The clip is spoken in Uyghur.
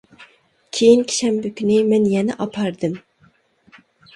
كېيىنكى شەنبە كۈنى مەن يەنە ئاپاردىم.